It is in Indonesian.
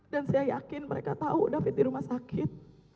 dan saya yakin mereka tahu david di rumah sakit